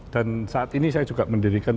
dan saat ini saya juga mendirikan